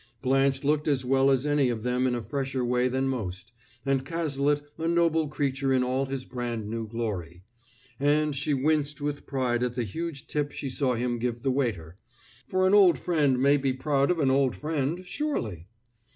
Blanche looked as well as any of them in a fresher way than most, and Cazalet a noble creature in all his brand new glory; and she winced with pride at the huge tip she saw him give the waiter; for an old friend may be proud of an old friend, surely!